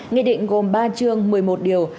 nghị định gồm ba trường một mươi một điều